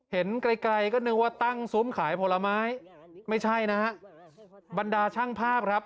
เห็นไกลไกลก็นึกว่าตั้งซุ้มขายผลไม้ไม่ใช่นะฮะบรรดาช่างภาพครับ